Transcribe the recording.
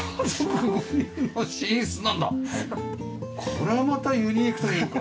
これはまたユニークというか。